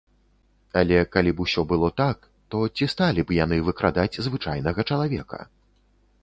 Але калі б усё было так, то ці сталі б яны выкрадаць звычайнага чалавека?